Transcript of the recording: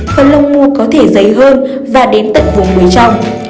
phần lông mô có thể dày hơn và đến tận vùng đuối trong